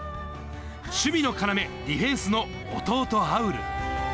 守備の要、ディフェンスの弟、侑潤。